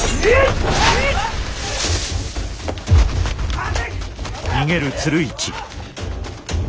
待て！